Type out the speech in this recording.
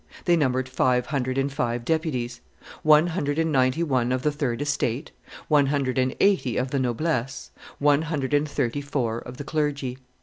They numbered five hundred and five deputies; one hundred and ninety one of the third estate, one hundred and eighty of the noblesse, one hundred and thirty four of the clergy.